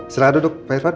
silahkan duduk pak irvan